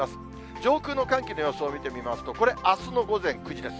上空の寒気の予想を見てみますと、これ、あすの午前９時です。